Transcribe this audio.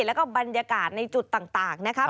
แล้วก็บรรยากาศในจุดต่างนะครับ